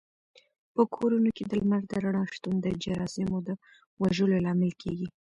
په کورونو کې د لمر د رڼا شتون د جراثیمو د وژلو لامل کېږي.